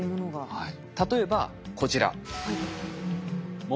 はい。